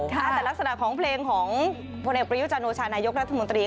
แต่ลักษณะของเพลงของพลเอกประยุจันโอชานายกรัฐมนตรี